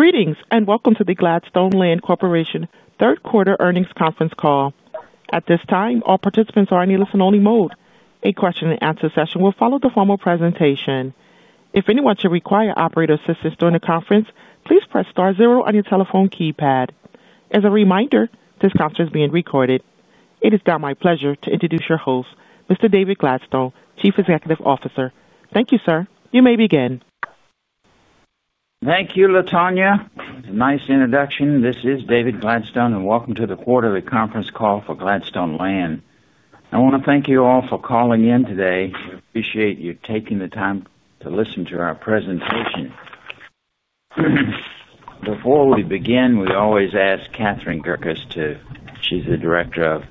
Greetings and welcome to the Gladstone Land Corporation Third-Quarter Earnings Conference Call. At this time, all participants are in a listen-only mode. A Q&A session will follow the formal presentation. If anyone should require operator assistance during the conference, please press * zero on your telephone keypad. As a reminder, this conference is being recorded. It is now my pleasure to introduce your host, Mr. David Gladstone, Chief Executive Officer. Thank you, sir. You may begin. Thank you, Latonya. Nice introduction. This is David Gladstone, and welcome to the quarterly conference call for Gladstone Land. I want to thank you all for calling in today. I appreciate you taking the time to listen to our presentation. Before we begin, we always ask Catherine Gerkis to—she's the Director of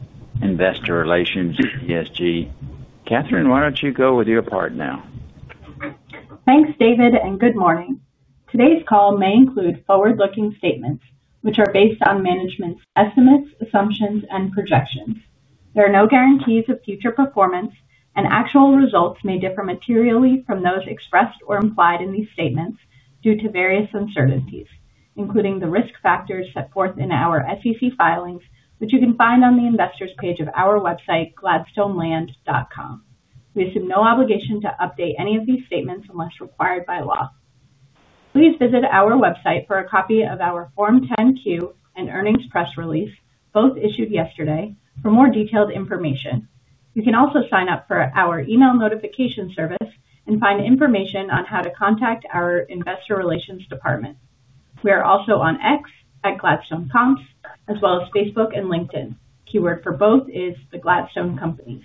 Investor Relations at ESG. Catherine, why don't you go with your part now? Thanks, David, and good morning. Today's call may include forward-looking statements, which are based on management's estimates, assumptions, and projections. There are no guarantees of future performance, and actual results may differ materially from those expressed or implied in these statements due to various uncertainties, including the risk factors set forth in our SEC filings, which you can find on the investors' page of our website, gladstoneland.com. We assume no obligation to update any of these statements unless required by law. Please visit our website for a copy of our Form 10-Q and Earnings Press Release, both issued yesterday, for more detailed information. You can also sign up for our email notification service and find information on how to contact our investor relations department. We are also on X at Gladstone Comps, as well as Facebook and LinkedIn. The keyword for both is the Gladstone Companies.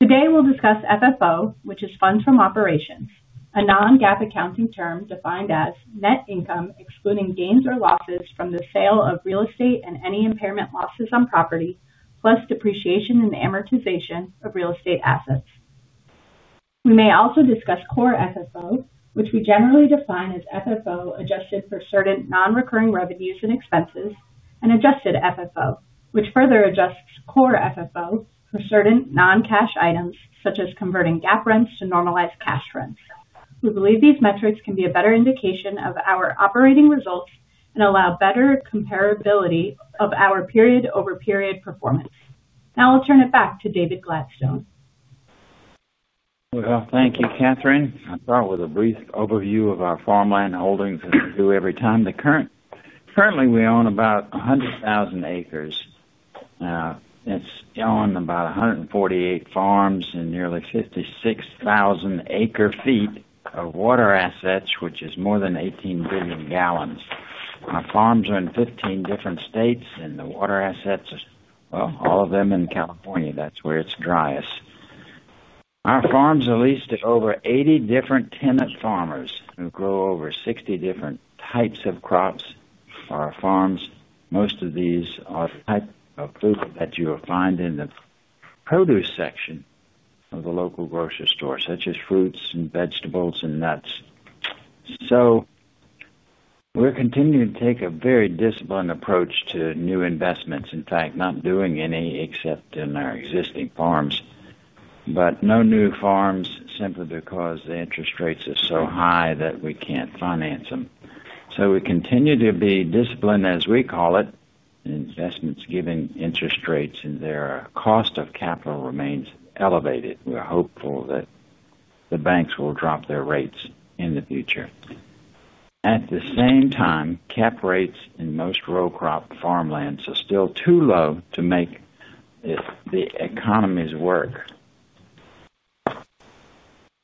Today, we'll discuss FFO, which is funds from operations, a non-GAAP accounting term defined as net income excluding gains or losses from the sale of real estate and any impairment losses on property, plus depreciation and amortization of real estate assets. We may also discuss core FFO, which we generally define as FFO adjusted for certain non-recurring revenues and expenses, and adjusted FFO, which further adjusts core FFO for certain non-cash items, such as converting GAAP rents to normalized cash rents. We believe these metrics can be a better indication of our operating results and allow better comparability of our period-over-period performance. Now I'll turn it back to David Gladstone. Thank you, Catherine. I'll start with a brief overview of our farmland holdings that we do every time. Currently, we own about 100,000 acres. It's owned about 148 farms and nearly 56,000 acre-feet of water assets, which is more than 18 billion gallons. Our farms are in 15 different states, and the water assets, all of them in California. That's where it's driest. Our farms are leased to over 80 different tenant farmers who grow over 60 different types of crops. Our farms, most of these are the type of food that you will find in the produce section of the local grocery store, such as fruits and vegetables and nuts. We're continuing to take a very disciplined approach to new investments, in fact, not doing any except in our existing farms, but no new farms simply because the interest rates are so high that we can't finance them. We continue to be disciplined, as we call it. Investments given interest rates and their cost of capital remains elevated. We're hopeful that the banks will drop their rates in the future. At the same time, cap rates in most row crop farmlands are still too low to make the economies work.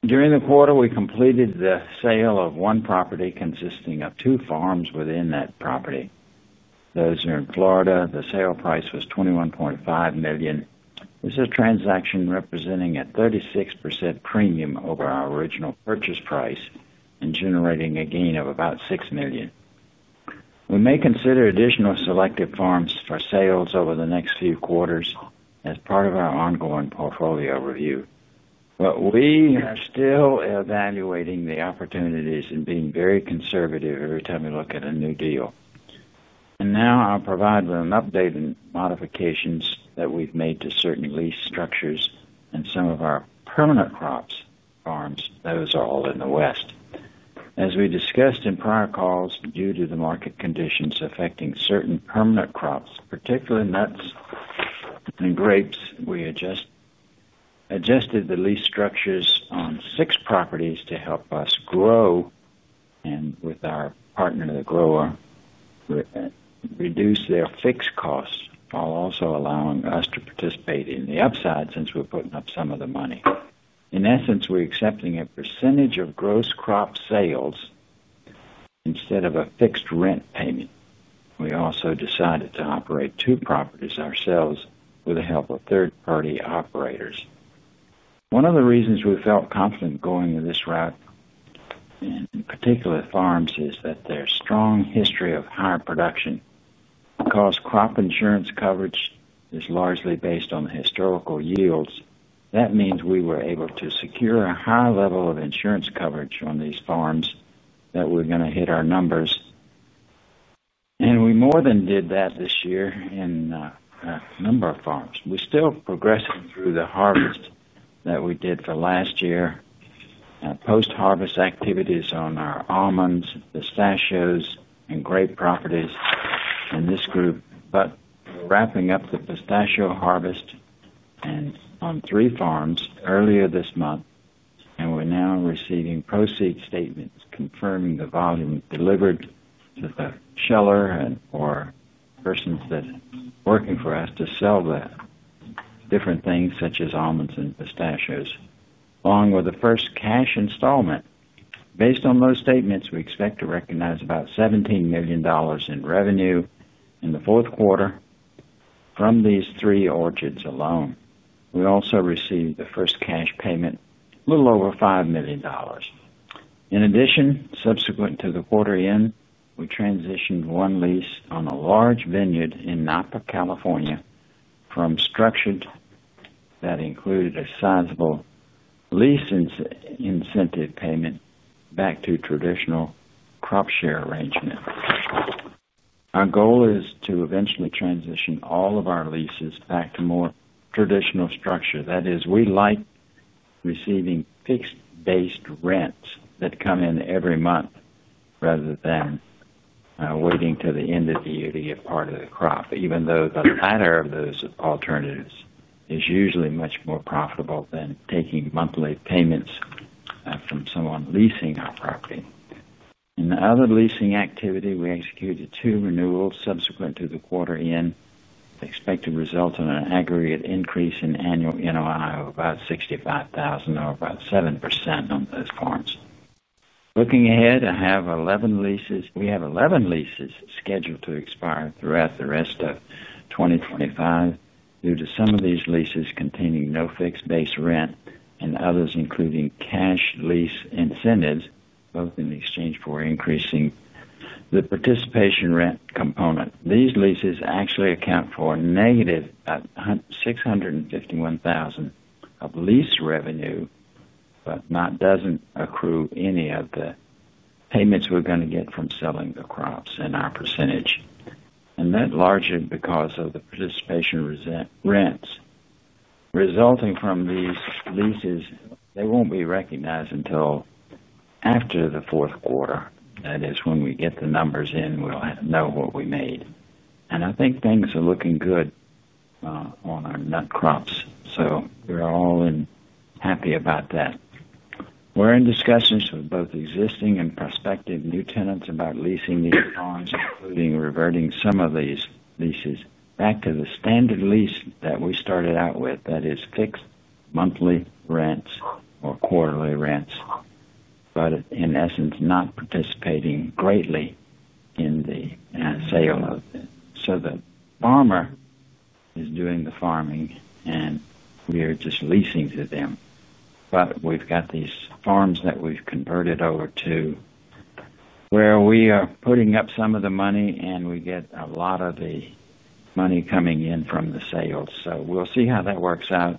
During the quarter, we completed the sale of one property consisting of two farms within that property. Those are in Florida. The sale price was $21.5 million. This is a transaction representing a 36% premium over our original purchase price and generating a gain of about $6 million. We may consider additional selective farms for sales over the next few quarters as part of our ongoing portfolio review. We are still evaluating the opportunities and being very conservative every time we look at a new deal. Now I'll provide an update on modifications that we've made to certain lease structures and some of our permanent crops, farms. Those are all in the West. As we discussed in prior calls, due to the market conditions affecting certain permanent crops, particularly nuts and grapes, we adjusted the lease structures on six properties to help us grow and, with our partner, the grower, reduce their fixed costs while also allowing us to participate in the upside since we're putting up some of the money. In essence, we're accepting a percentage of gross crop sales instead of a fixed rent payment. We also decided to operate two properties ourselves with the help of third-party operators. One of the reasons we felt confident going this route, in particular, farms, is that their strong history of higher production. Because crop insurance coverage is largely based on historical yields, that means we were able to secure a high level of insurance coverage on these farms that were going to hit our numbers. We more than did that this year in a number of farms. We're still progressing through the harvest that we did for last year, post-harvest activities on our almonds, pistachios, and grape properties in this group. We're wrapping up the pistachio harvest on three farms earlier this month, and we're now receiving proceeds statements confirming the volume delivered to the sheller and/or persons that are working for us to sell the. Different things such as almonds and pistachios, along with the first cash installment. Based on those statements, we expect to recognize about $17 million in revenue in the fourth quarter from these three orchards alone. We also received the first cash payment, a little over $5 million. In addition, subsequent to the quarter-end, we transitioned one lease on a large vineyard in Napa, California, from structured that included a sizable lease incentive payment back to traditional crop share arrangement. Our goal is to eventually transition all of our leases back to more traditional structure. That is, we like receiving fixed-based rents that come in every month rather than waiting till the end of the year to get part of the crop, even though the latter of those alternatives is usually much more profitable than taking monthly payments from someone leasing our property. In the other leasing activity, we executed two renewals subsequent to the quarter-end. Expect to result in an aggregate increase in annual NOI of about $65,000 or about 7% on those farms. Looking ahead, we have 11 leases scheduled to expire throughout the rest of 2025 due to some of these leases containing no fixed base rent and others including cash lease incentives, both in exchange for increasing the participation rent component. These leases actually account for negative about $651,000 of lease revenue, but doesn't accrue any of the payments we're going to get from selling the crops in our percentage. That's largely because of the participation rents resulting from these leases. They won't be recognized until after the fourth quarter. That is, when we get the numbers in, we'll know what we made. I think things are looking good. On our nut crops, so we're all happy about that. We're in discussions with both existing and prospective new tenants about leasing these farms, including reverting some of these leases back to the standard lease that we started out with. That is fixed monthly rents or quarterly rents. In essence, not participating greatly in the sale of them. The farmer is doing the farming, and we are just leasing to them. We've got these farms that we've converted over to where we are putting up some of the money, and we get a lot of the money coming in from the sales. We'll see how that works out.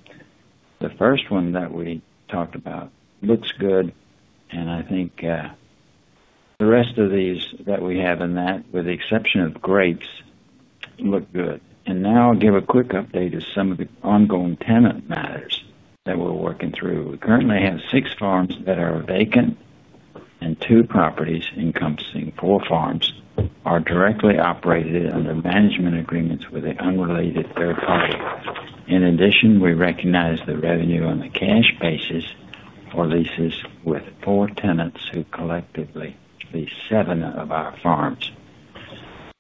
The first one that we talked about looks good, and I think the rest of these that we have in that, with the exception of grapes, look good. I will give a quick update of some of the ongoing tenant matters that we are working through. We currently have six farms that are vacant, and two properties encompassing four farms are directly operated under management agreements with an unrelated third party. In addition, we recognize the revenue on a cash basis for leases with four tenants who collectively lease seven of our farms.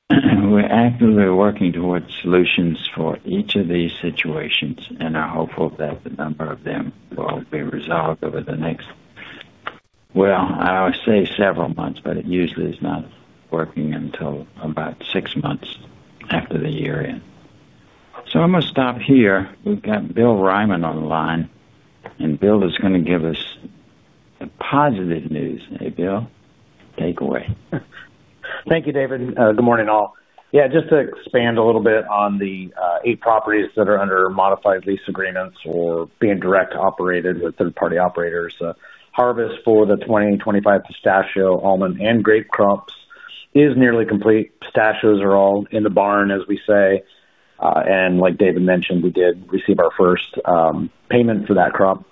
We are actively working towards solutions for each of these situations and are hopeful that the number of them will be resolved over the next, I would say several months, but it usually is not working until about six months after the year-end. I am going to stop here. We have Bill Reiman on the line, and Bill is going to give us the positive news. Hey, Bill. Take away. Thank you, David. Good morning, all. Yeah, just to expand a little bit on the eight properties that are under modified lease agreements or being direct operated with third-party operators. Harvest for the 2025 pistachio, almond, and grape crops is nearly complete. Pistachios are all in the barn, as we say. Like David mentioned, we did receive our first payment for that crop.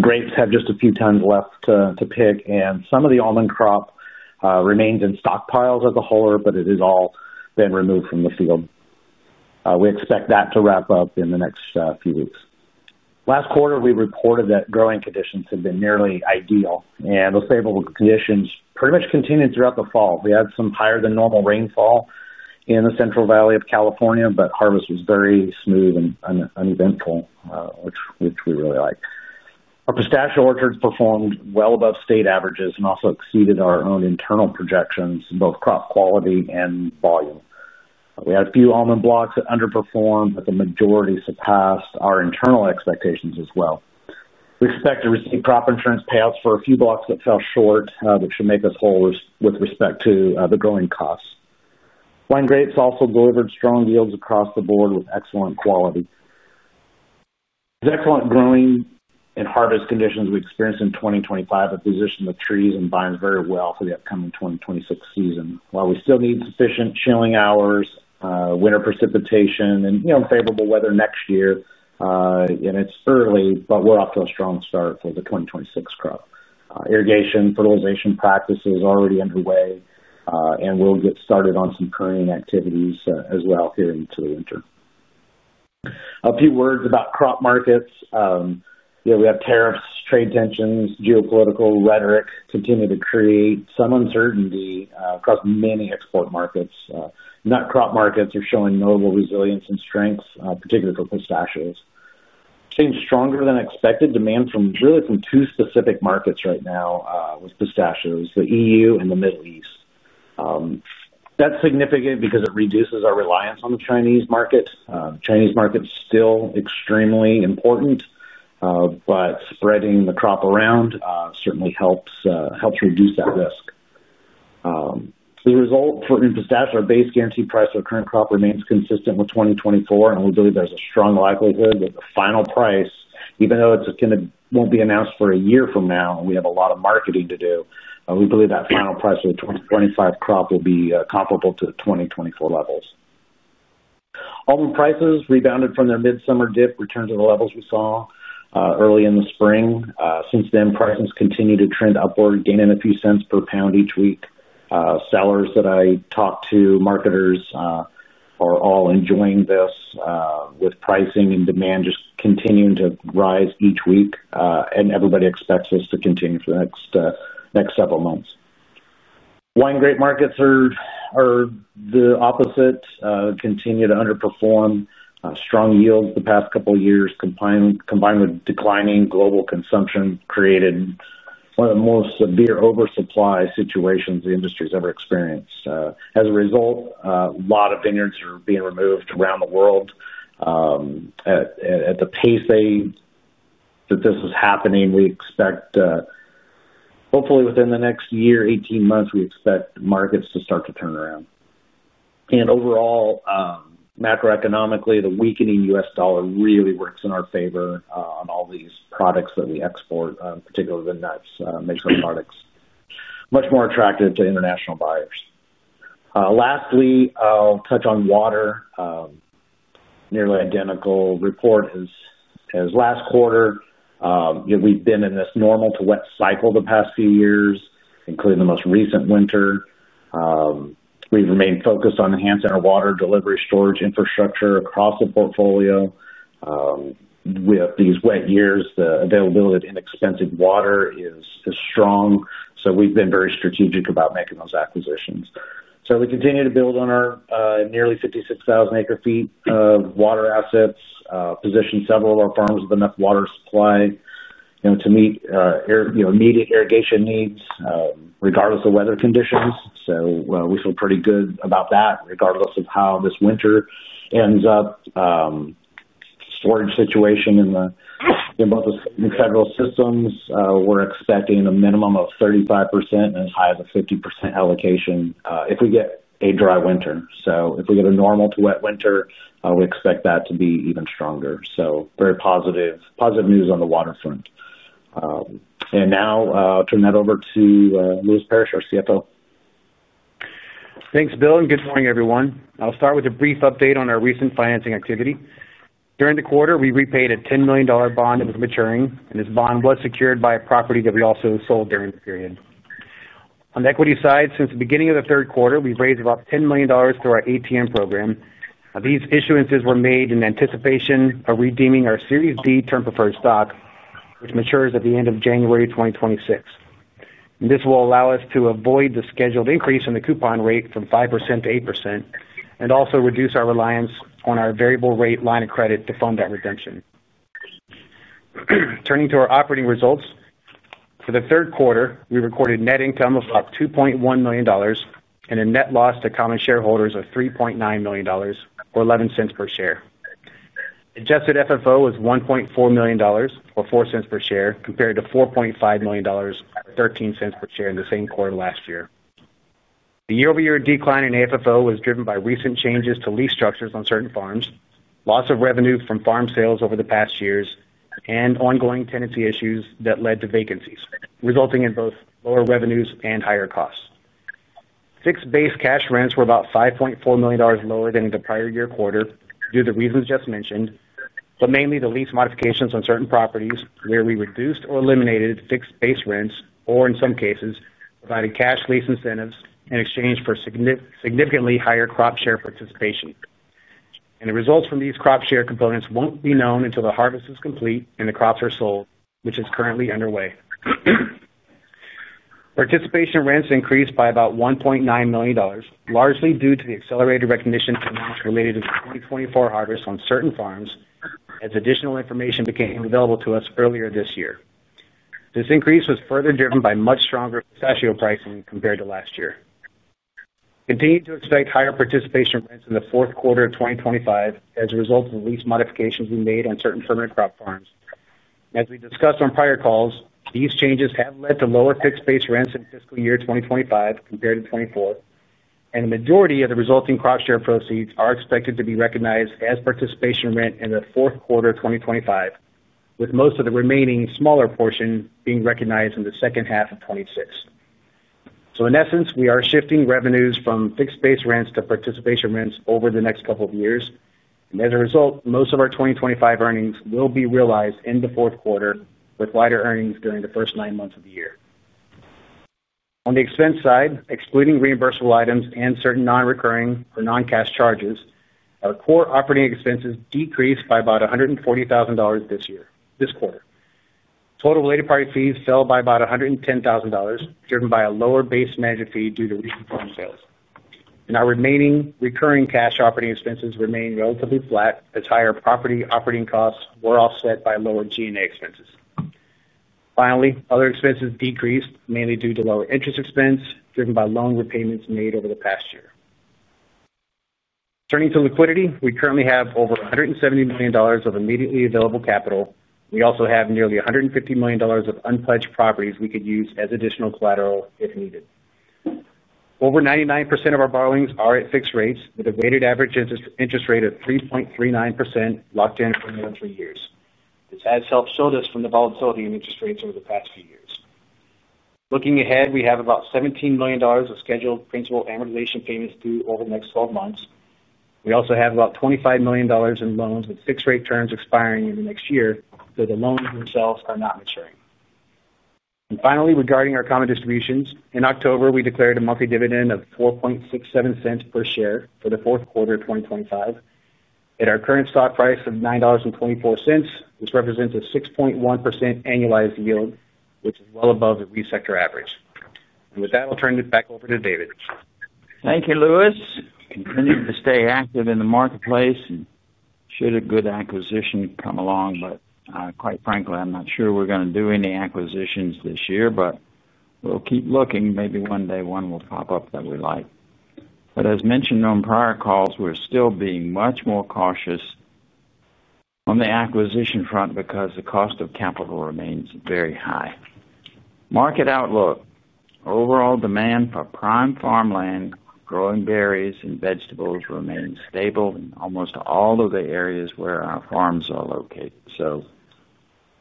Grapes have just a few tons left to pick, and some of the almond crop remains in stockpiles at the huller, but it has all been removed from the field. We expect that to wrap up in the next few weeks. Last quarter, we reported that growing conditions had been nearly ideal, and those favorable conditions pretty much continued throughout the fall. We had some higher-than-normal rainfall in the Central Valley of California, but harvest was very smooth and uneventful, which we really liked. Our pistachio orchards performed well above state averages and also exceeded our own internal projections, both crop quality and volume. We had a few almond blocks that underperformed, but the majority surpassed our internal expectations as well. We expect to receive crop insurance payouts for a few blocks that fell short, which should make us whole with respect to the growing costs. Wine grapes also delivered strong yields across the board with excellent quality. Excellent growing and harvest conditions we experienced in 2025 have positioned the trees and vines very well for the upcoming 2026 season. While we still need sufficient chilling hours, winter precipitation, and favorable weather next year. It is early, but we are off to a strong start for the 2026 crop. Irrigation and fertilization practices are already underway, and we will get started on some pruning activities as well here into the winter. A few words about crop markets. We have tariffs, trade tensions, geopolitical rhetoric continue to create some uncertainty across many export markets. Nut crop markets are showing notable resilience and strength, particularly for pistachios. Seems stronger than expected. Demand from really two specific markets right now with pistachios, the EU and the Middle East. That's significant because it reduces our reliance on the Chinese market. The Chinese market is still extremely important, but spreading the crop around certainly helps reduce that risk. The result for pistachio, our base guaranteed price for current crop remains consistent with 2024, and we believe there's a strong likelihood that the final price, even though it won't be announced for a year from now, and we have a lot of marketing to do, we believe that final price for the 2025 crop will be comparable to the 2024 levels. Almond prices rebounded from their mid-summer dip, returned to the levels we saw early in the spring. Since then, prices continue to trend upward, gaining a few cents per pound each week. Sellers that I talked to, marketers, are all enjoying this with pricing and demand just continuing to rise each week, and everybody expects this to continue for the next several months. Wine grape markets are the opposite, continue to underperform. Strong yields the past couple of years, combined with declining global consumption, created one of the most severe oversupply situations the industry has ever experienced. As a result, a lot of vineyards are being removed around the world. At the pace that this is happening, we expect, hopefully within the next year, 18 months, we expect markets to start to turn around. And overall. Macroeconomically, the weakening US dollar really works in our favor on all these products that we export, particularly the nuts, making products much more attractive to international buyers. Lastly, I'll touch on water. Nearly identical report as last quarter. We've been in this normal to wet cycle the past few years, including the most recent winter. We've remained focused on enhancing our water delivery storage infrastructure across the portfolio. With these wet years, the availability of inexpensive water is strong. We have been very strategic about making those acquisitions. We continue to build on our nearly 56,000 acre-feet of water assets, position several of our farms with enough water supply to meet immediate irrigation needs regardless of weather conditions. We feel pretty good about that regardless of how this winter ends up. Storage situation in both the state and federal systems. We're expecting a minimum of 35% and as high as a 50% allocation if we get a dry winter. If we get a normal to wet winter, we expect that to be even stronger. Very positive news on the waterfront. Now I'll turn that over to Lewis Parrish, our CFO. Thanks, Bill. Good morning, everyone. I'll start with a brief update on our recent financing activity. During the quarter, we repaid a $10 million bond that was maturing, and this bond was secured by a property that we also sold during the period. On the equity side, since the beginning of the third quarter, we've raised about $10 million through our ATM program. These issuances were made in anticipation of redeeming our Series D term preferred stock, which matures at the end of January 2026. This will allow us to avoid the scheduled increase in the coupon rate from 5% to 8% and also reduce our reliance on our variable rate line of credit to fund that redemption. Turning to our operating results, for the third quarter, we recorded net income of about $2.1 million. A net loss to common shareholders of $3.9 million, or $0.11 per share. Adjusted FFO was $1.4 million, or $0.04 per share, compared to $4.5 million, or $0.13 per share in the same quarter last year. The year-over-year decline in FFO was driven by recent changes to lease structures on certain farms, loss of revenue from farm sales over the past years, and ongoing tenancy issues that led to vacancies, resulting in both lower revenues and higher costs. Fixed base cash rents were about $5.4 million lower than in the prior year quarter due to the reasons just mentioned, but mainly the lease modifications on certain properties where we reduced or eliminated fixed base rents, or in some cases, provided cash lease incentives in exchange for significantly higher crop share participation. The results from these crop share components will not be known until the harvest is complete and the crops are sold, which is currently underway. Participation rents increased by about $1.9 million, largely due to the accelerated recognition of amounts related to the 2024 harvest on certain farms as additional information became available to us earlier this year. This increase was further driven by much stronger pistachio pricing compared to last year. We continue to expect higher participation rents in the fourth quarter of 2025 as a result of the lease modifications we made on certain permanent crop farms. As we discussed on prior calls, these changes have led to lower fixed base rents in fiscal year 2025 compared to 2024. The majority of the resulting crop share proceeds are expected to be recognized as participation rent in the fourth quarter of 2025, with most of the remaining smaller portion being recognized in the second half of 2026. In essence, we are shifting revenues from fixed base rents to participation rents over the next couple of years. As a result, most of our 2025 earnings will be realized in the fourth quarter with wider earnings during the first nine months of the year. On the expense side, excluding reimbursable items and certain non-recurring or non-cash charges, our core operating expenses decreased by about $140,000 this year, this quarter. Total related property fees fell by about $110,000, driven by a lower base management fee due to recent farm sales. Our remaining recurring cash operating expenses remain relatively flat as higher property operating costs were offset by lower G&A expenses. Finally, other expenses decreased, mainly due to lower interest expense, driven by loan repayments made over the past year. Turning to liquidity, we currently have over $170 million of immediately available capital. We also have nearly $150 million of unpledged properties we could use as additional collateral if needed. Over 99% of our borrowings are at fixed rates, with a weighted average interest rate of 3.39% locked in for nearly three years. This has helped shield us from the volatility in interest rates over the past few years. Looking ahead, we have about $17 million of scheduled principal amortization payments due over the next 12 months. We also have about $25 million in loans with fixed rate terms expiring in the next year, so the loans themselves are not maturing. Finally, regarding our common distributions, in October, we declared a monthly dividend of $0.0467 per share for the fourth quarter of 2025. At our current stock price of $9.24, this represents a 6.1% annualized yield, which is well above the resector average. With that, I'll turn it back over to David. Thank you, Lewis. Continue to stay active in the marketplace. Should a good acquisition come along, but quite frankly, I'm not sure we're going to do any acquisitions this year, but we'll keep looking. Maybe one day one will pop up that we like. As mentioned on prior calls, we're still being much more cautious on the acquisition front because the cost of capital remains very high. Market outlook: overall demand for prime farmland, growing berries, and vegetables remains stable in almost all of the areas where our farms are located. A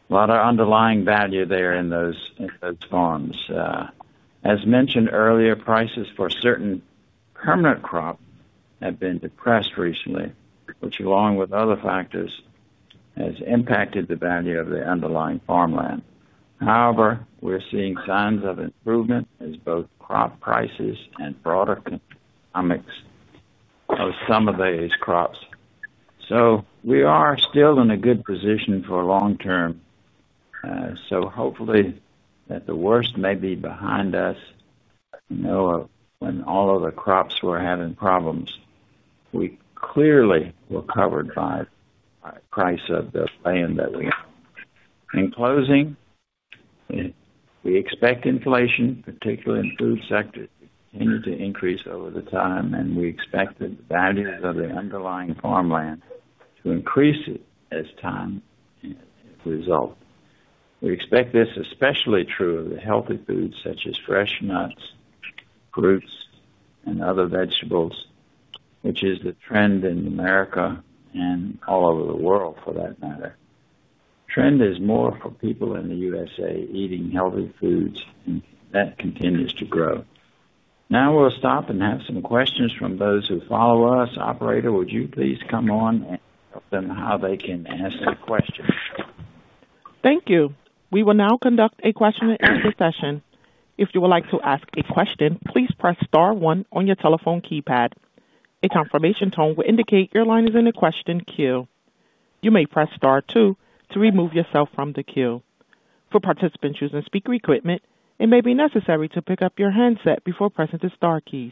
lot of underlying value there in those farms. As mentioned earlier, prices for certain permanent crops have been depressed recently, which, along with other factors, has impacted the value of the underlying farmland. However, we're seeing signs of improvement as both crop prices and broader economics of some of those crops. We are still in a good position for long term. Hopefully the worst may be behind us when all of the crops were having problems. We clearly were covered by the price of the land that we own. In closing, we expect inflation, particularly in the food sector, to continue to increase over time, and we expect that the values of the underlying farmland to increase as time results. We expect this is especially true of the healthy foods such as fresh nuts, fruits, and other vegetables, which is the trend in America and all over the world, for that matter. The trend is more for people in the U.S.A. eating healthy foods, and that continues to grow. Now we'll stop and have some questions from those who follow us. Operator, would you please come on and tell them how they can ask their questions? Thank you. We will now conduct a Q&A session. If you would like to ask a question, please press * one on your telephone keypad. A confirmation tone will indicate your line is in the question queue. You may press * two to remove yourself from the queue. For participants using speaker equipment, it may be necessary to pick up your handset before pressing the * keys.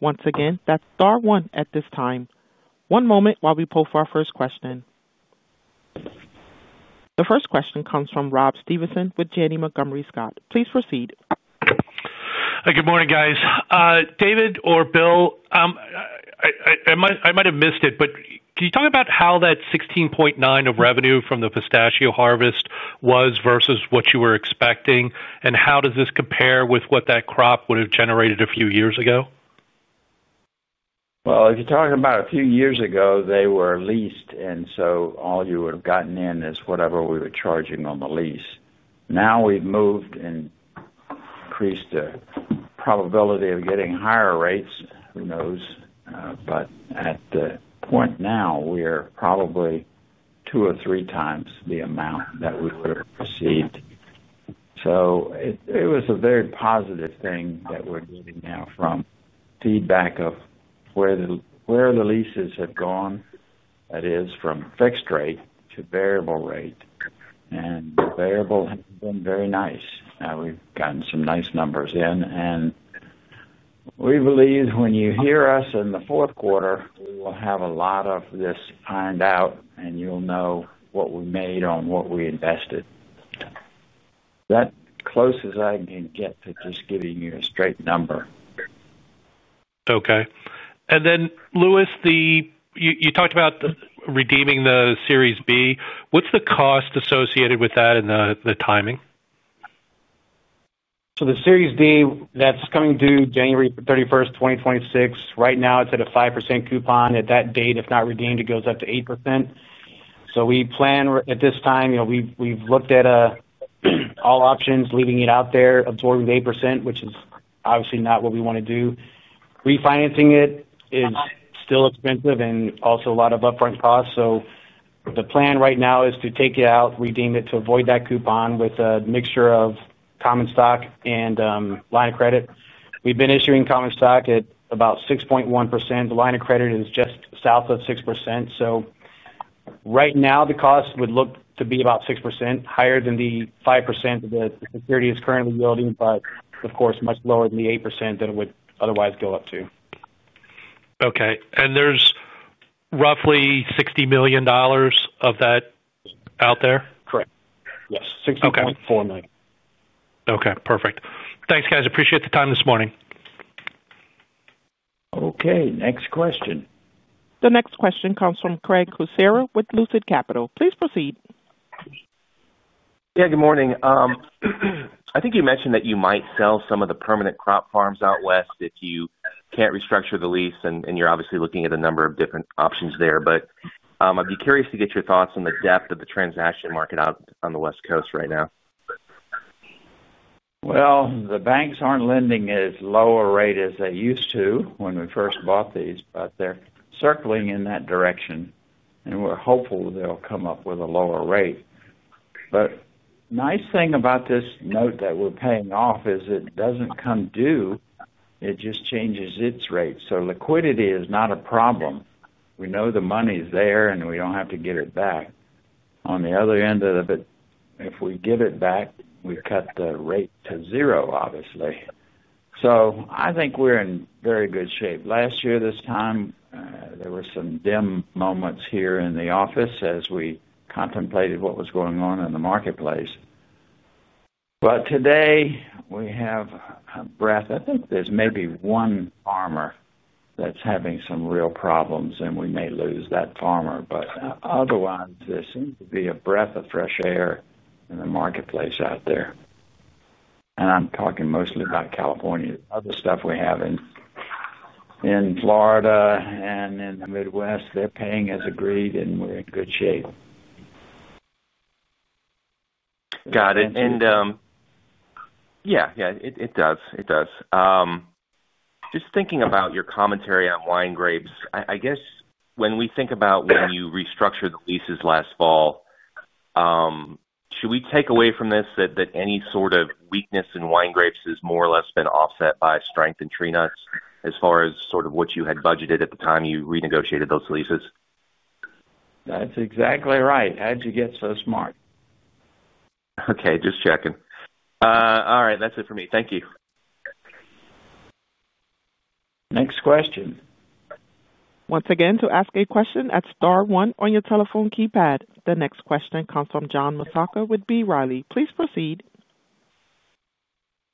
Once again, that's * one at this time. One moment while we pull for our first question. The first question comes from Rob Stevenson with Janney Montgomery Scott. Please proceed. Good morning, guys. David or Bill. I might have missed it, but can you talk about how that $16.9 million of revenue from the pistachio harvest was versus what you were expecting, and how does this compare with what that crop would have generated a few years ago? If you're talking about a few years ago, they were leased, and so all you would have gotten in is whatever we were charging on the lease. Now we've moved and increased the probability of getting higher rates, who knows? At the point now, we're probably two or three times the amount that we would have received. It was a very positive thing that we're getting now from feedback of where the leases have gone, that is, from fixed rate to variable rate. Variable has been very nice. We've gotten some nice numbers in, and we believe when you hear us in the fourth quarter, we will have a lot of this ironed out, and you'll know what we made on what we invested. That is as close as I can get to just giving you a straight number. Okay. Lewis, you talked about redeeming the Series D. What's the cost associated with that and the timing? The Series D, that's coming due January 31, 2026. Right now, it's at a 5% coupon. At that date, if not redeemed, it goes up to 8%. We plan at this time, we've looked at all options, leaving it out there, absorbing the 8%, which is obviously not what we want to do. Refinancing it is still expensive and also a lot of upfront costs. The plan right now is to take it out, redeem it to avoid that coupon with a mixture of common stock and line of credit. We've been issuing common stock at about 6.1%. The line of credit is just south of 6%. Right now, the cost would look to be about 6%, higher than the 5% that the security is currently yielding, but of course, much lower than the 8% that it would otherwise go up to. Okay. There's roughly $60 million of that out there? Correct. Yes. $60.4 million. Okay. Perfect. Thanks, guys. Appreciate the time this morning. Okay. Next question. The next question comes from Craig Kucera with Lucid Capital. Please proceed. Yeah. Good morning. I think you mentioned that you might sell some of the permanent crop farms out west if you can't restructure the lease, and you're obviously looking at a number of different options there. I'd be curious to get your thoughts on the depth of the transaction market out on the West Coast right now. The banks aren't lending as low a rate as they used to when we first bought these, but they're circling in that direction. We're hopeful they'll come up with a lower rate. The nice thing about this note that we're paying off is it doesn't come due. It just changes its rate. Liquidity is not a problem. We know the money's there, and we don't have to get it back. On the other end of it, if we give it back, we cut the rate to zero, obviously. I think we're in very good shape. Last year, this time, there were some dim moments here in the office as we contemplated what was going on in the marketplace. Today, we have a breath. I think there's maybe one farmer that's having some real problems, and we may lose that farmer. Otherwise, there seems to be a breath of fresh air in the marketplace out there. I'm talking mostly about California. Other stuff we have in Florida and in the Midwest, they're paying as agreed, and we're in good shape. Got it. Yeah, it does. Just thinking about your commentary on wine grapes, I guess when we think about when you restructured the leases last fall. Should we take away from this that any sort of weakness in wine grapes has more or less been offset by strength in tree nuts as far as what you had budgeted at the time you renegotiated those leases? That's exactly right. How'd you get so smart? Okay. Just checking. All right. That's it for me. Thank you. Next question. Once again, to ask a question, press * one on your telephone keypad. The next question comes from John Massocca with B. Riley. Please proceed.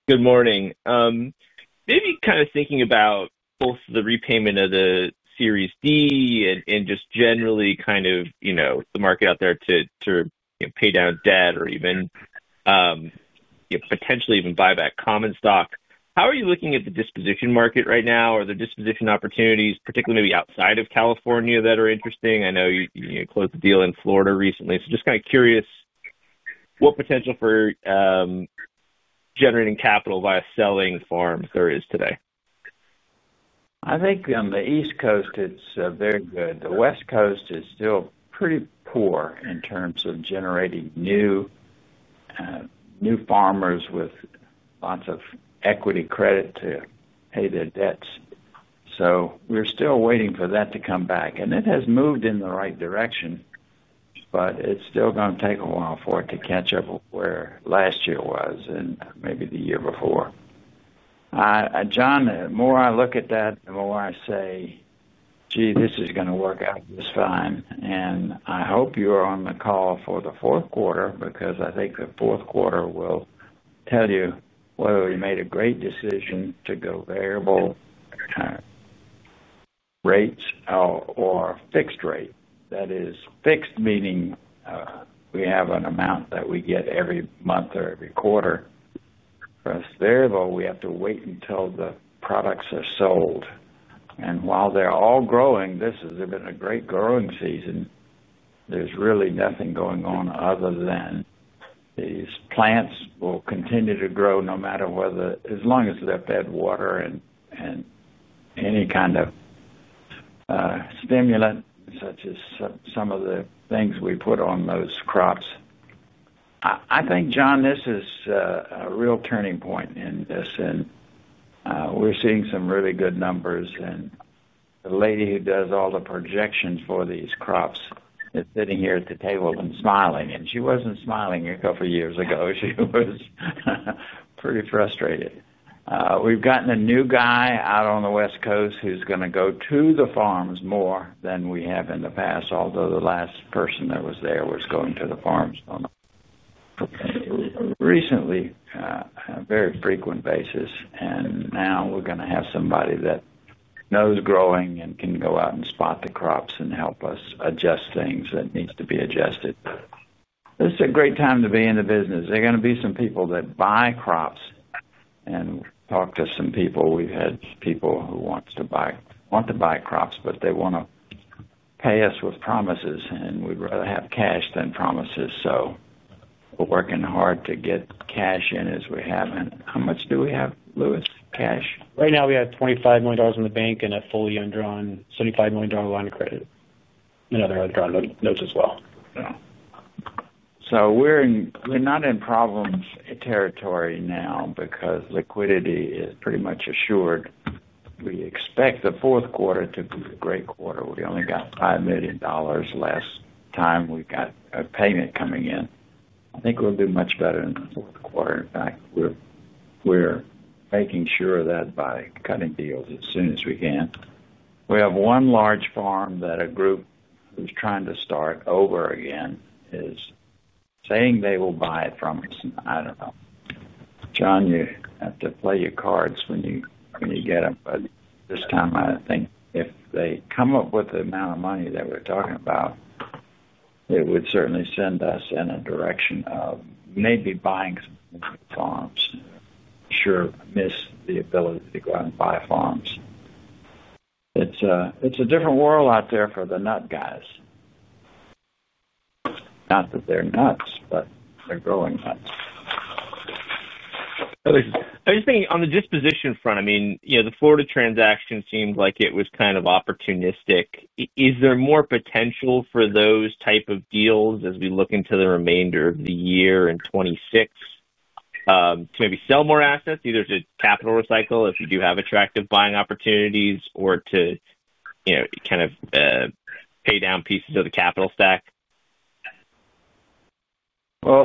Good morning. Maybe kind of thinking about both the repayment of the Series D and just generally kind of the market out there to pay down debt or even potentially even buy back common stock. How are you looking at the disposition market right now? Are there disposition opportunities, particularly maybe outside of California, that are interesting? I know you closed a deal in Florida recently. Just kind of curious what potential for generating capital via selling farms there is today? I think on the East Coast, it's very good. The West Coast is still pretty poor in terms of generating new. Farmers with lots of equity credit to pay their debts. We are still waiting for that to come back. It has moved in the right direction. It is still going to take a while for it to catch up where last year was and maybe the year before. John, the more I look at that, the more I say, "Gee, this is going to work out this fine." I hope you are on the call for the fourth quarter because I think the fourth quarter will tell you whether we made a great decision to go variable rates or fixed rate. That is fixed, meaning we have an amount that we get every month or every quarter. For us, variable, we have to wait until the products are sold. While they're all growing, this has been a great growing season. There's really nothing going on other than these plants will continue to grow no matter whether as long as they've had water and any kind of stimulant such as some of the things we put on those crops. I think, John, this is a real turning point in this. We're seeing some really good numbers. The lady who does all the projections for these crops is sitting here at the table and smiling. She wasn't smiling a couple of years ago. She was pretty frustrated. We've gotten a new guy out on the West Coast who's going to go to the farms more than we have in the past, although the last person that was there was going to the farms recently, on a very frequent basis. Now we're going to have somebody that knows growing and can go out and spot the crops and help us adjust things that need to be adjusted. This is a great time to be in the business. There are going to be some people that buy crops and talk to some people. We've had people who want to buy crops, but they want to pay us with promises, and we'd rather have cash than promises. We're working hard to get cash in as we have. How much do we have, Lewis, cash? Right now, we have $25 million in the bank and a fully undrawn $75 million line of credit and other undrawn notes as well. We're not in problems territory now because liquidity is pretty much assured. We expect the fourth quarter to be a great quarter. We only got $5 million last time. We've got a payment coming in. I think we'll do much better in the fourth quarter. In fact, we're making sure that by cutting deals as soon as we can. We have one large farm that a group who's trying to start over again is saying they will buy from us. I don't know. John, you have to play your cards when you get them. This time, I think if they come up with the amount of money that we're talking about, it would certainly send us in a direction of maybe buying some farms. Sure miss the ability to go out and buy farms. It's a different world out there for the nut guys. Not that they're nuts, but they're growing nuts. I was just thinking on the disposition front, I mean, the Florida transaction seemed like it was kind of opportunistic. Is there more potential for those type of deals as we look into the remainder of the year in 2026 to maybe sell more assets, either to capital recycle if you do have attractive buying opportunities or to kind of pay down pieces of the capital stack?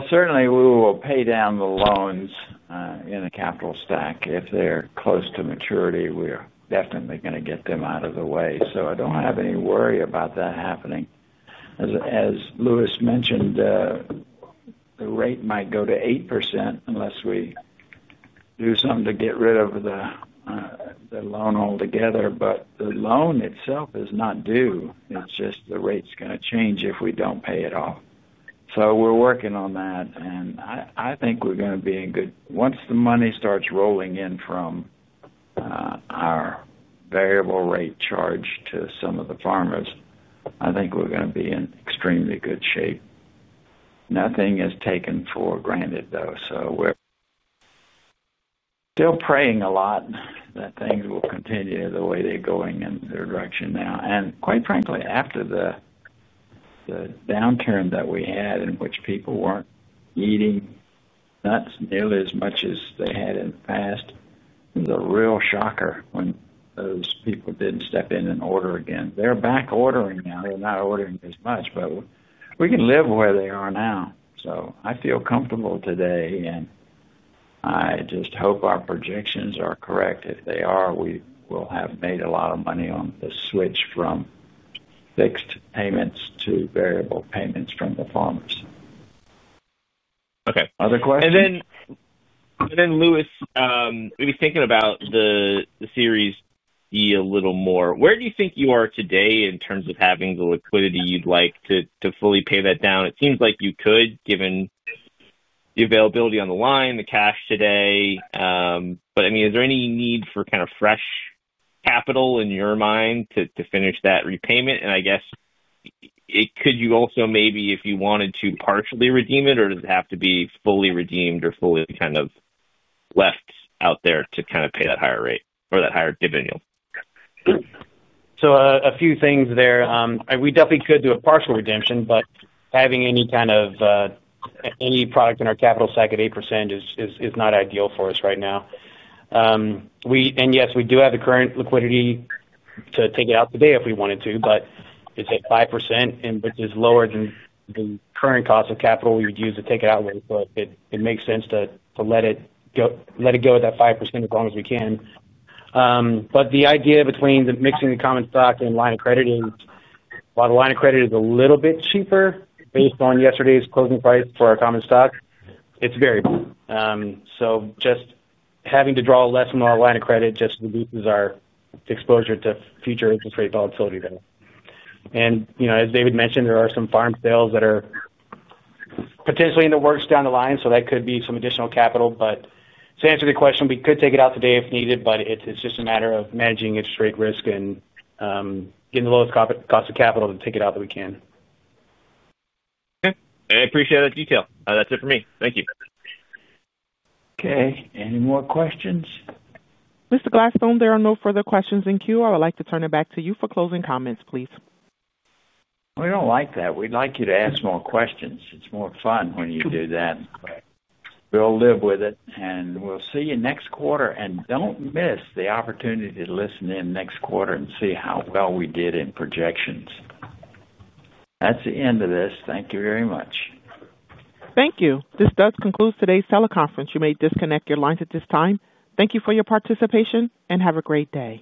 Certainly, we will pay down the loans in the capital stack. If they're close to maturity, we're definitely going to get them out of the way. I don't have any worry about that happening. As Lewis mentioned, the rate might go to 8% unless we do something to get rid of the loan altogether. The loan itself is not due. It's just the rate's going to change if we don't pay it off. We're working on that. I think we're going to be in good once the money starts rolling in from our variable rate charge to some of the farmers. I think we're going to be in extremely good shape. Nothing is taken for granted, though. Still praying a lot that things will continue the way they're going in their direction now. Quite frankly, after the. Downturn that we had in which people were not eating nuts nearly as much as they had in the past. It was a real shocker when those people did not step in and order again. They are back ordering now. They are not ordering as much, but we can live where they are now. I feel comfortable today. I just hope our projections are correct. If they are, we will have made a lot of money on the switch from fixed payments to variable payments from the farmers. Okay. Other questions? Lewis, maybe thinking about the Series D a little more, where do you think you are today in terms of having the liquidity you'd like to fully pay that down? It seems like you could, given the availability on the line, the cash today. I mean, is there any need for kind of fresh capital in your mind to finish that repayment? I guess, could you also maybe, if you wanted to, partially redeem it, or does it have to be fully redeemed or fully kind of left out there to kind of pay that higher rate or that higher dividend yield? A few things there. We definitely could do a partial redemption, but having any kind of product in our capital stack at 8% is not ideal for us right now. Yes, we do have the current liquidity to take it out today if we wanted to, but it is at 5%, which is lower than the current cost of capital we would use to take it out with. It makes sense to let it go at that 5% as long as we can. The idea between mixing the common stock and line of credit is, while the line of credit is a little bit cheaper based on yesterday's closing price for our common stock, it is variable. Just having to draw less from our line of credit reduces our exposure to future interest rate volatility there. As David mentioned, there are some farm sales that are potentially in the works down the line. That could be some additional capital. To answer the question, we could take it out today if needed, but it's just a matter of managing interest rate risk and getting the lowest cost of capital to take it out that we can. Okay. I appreciate that detail. That's it for me. Thank you. Okay. Any more questions? Mr. Gladstone, there are no further questions in queue. I would like to turn it back to you for closing comments, please. We do not like that. We would like you to ask more questions. It is more fun when you do that. We will live with it. We will see you next quarter. Do not miss the opportunity to listen in next quarter and see how well we did in projections. That is the end of this. Thank you very much. Thank you. This does conclude today's teleconference. You may disconnect your lines at this time. Thank you for your participation and have a great day.